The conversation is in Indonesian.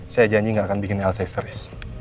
saya janji gak akan bikin elsa isteris